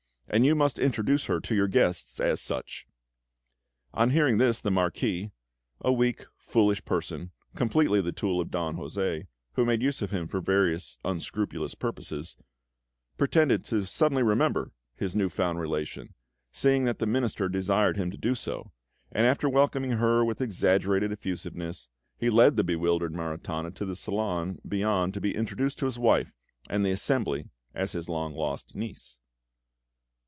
"And you must introduce her to your guests as such!" On hearing this, the Marquis a weak, foolish person, completely the tool of Don José, who made use of him for various unscrupulous purposes pretended to suddenly remember his new found relation, seeing that the Minister desired him to do so, and after welcoming her with exaggerated effusiveness, he led the bewildered Maritana to the salon beyond to be introduced to his wife and the assembly as his long lost niece.